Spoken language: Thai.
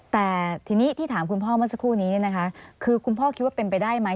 แต่ทีนี้ที่ถามคุณพ่อเมื่อสักครู่นี้นะคะคือคุณพ่อคิดว่าเป็นไปได้ไหม